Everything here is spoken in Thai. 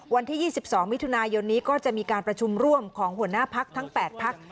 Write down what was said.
วันที่๒๒มิถุนายนนี้ก็จะมีการประชุมร่วมของหัวหน้าพักทั้ง๘พัก